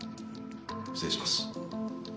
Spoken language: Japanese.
失礼します。